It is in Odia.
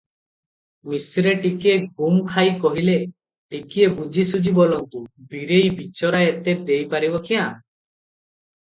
ମିଶ୍ରେ ଟିକିଏ ଗୁମ୍ ଖାଇ କହିଲେ, ଟିକିଏ ବୁଝିସୁଝି ବୋଲନ୍ତୁ, ବୀରେଇ ବିଚରା ଏତେ ଦେଇ ପାରିବ କ୍ୟାଁ?